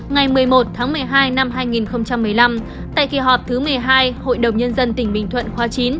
ngày một mươi một tháng một mươi hai năm hai nghìn một mươi năm tại kỳ họp thứ một mươi hai hội đồng nhân dân tỉnh bình thuận khóa chín